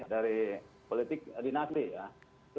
dari politik dinasti ya